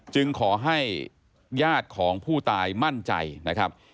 จึงขอให้ญาติของผู้ตายมั่นใจนะครับ